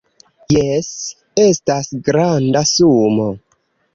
Jes, estas granda sumo